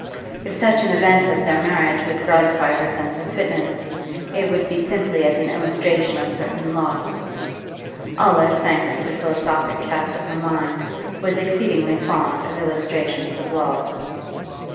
If such an event as their marriage would gratify her sense of fitness, it would be simply as an illustration of certain laws. Olive, thanks to the philosophic cast of her mind, was exceedingly fond of illustrations of laws.